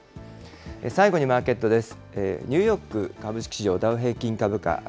最後にマーケットです。